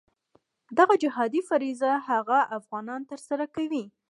دغه جهادي فریضه هغه افغانان ترسره کوي.